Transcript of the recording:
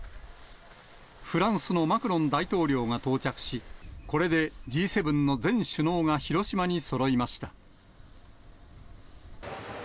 フランスのマクロン大統領が到着し、これでＧ７の全首脳が広島にそろいました。